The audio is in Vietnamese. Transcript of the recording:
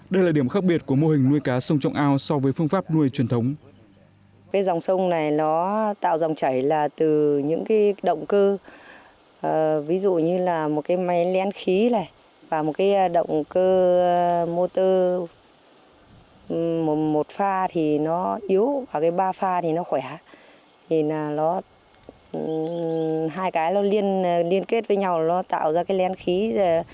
đây là điểm khác biệt của mô hình nuôi cá sông trong ao so với phương pháp nuôi truyền thống